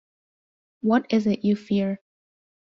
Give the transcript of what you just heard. What is it you fear?